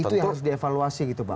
itu yang harus dievaluasi gitu pak